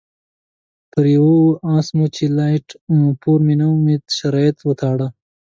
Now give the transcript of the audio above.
پر یوه اس مو چې لایټ فور مي نومېده شرط وتاړه.